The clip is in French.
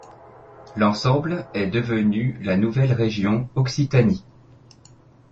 L'ensemble est devenu la nouvelle région Occitanie.